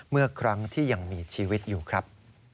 เมื่อครั้งที่ยังมีชีวิตอยู่ครับ